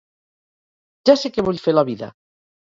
Ja sé que vull fer a la vida!